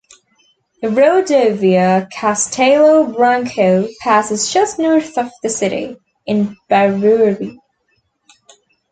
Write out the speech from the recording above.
The Rodovia Castelo Branco passes just north of the city, in Barueri.